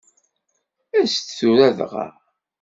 As-d tura dɣa.